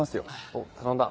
おう頼んだ。